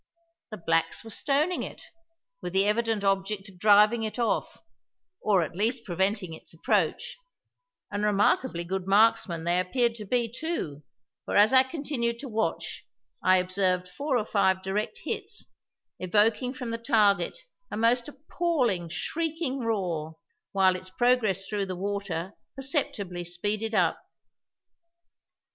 The blacks were stoning it, with the evident object of driving it off, or at least of preventing its approach; and remarkably good marksmen they appeared to be, too, for as I continued to watch I observed four or five direct hits, evoking from the target a most appalling shrieking roar, while its progress through the water perceptibly speeded up.